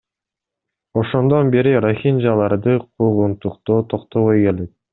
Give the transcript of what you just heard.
Ошондон бери рохинжаларды куугунтуктоо токтобой келет.